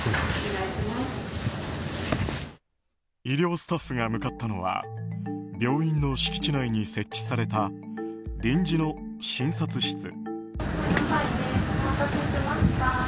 医療スタッフが向かったのは病院の敷地内に設置された臨時の診察室。